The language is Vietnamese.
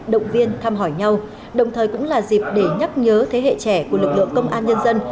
động viên thăm hỏi nhau đồng thời cũng là dịp để nhắc nhớ thế hệ trẻ của lực lượng công an nhân dân